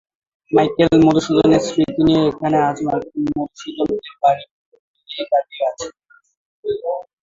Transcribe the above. Michael Madhusudan এর স্মৃতি নিয়ে এখানে আজ মাইকেল মধুসূদন এর বাড়ি মধু পল্লী দাঁড়িয়ে আছে।